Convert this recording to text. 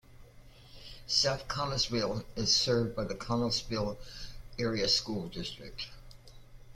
South Connellsville is served by the Connellsville Area School District.